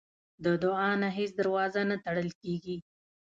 د دعا نه هیڅ دروازه نه تړل کېږي.